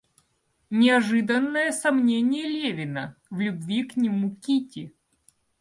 Неожиданное сомнение Левина в любви к нему Кити.